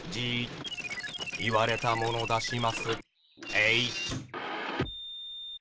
えい！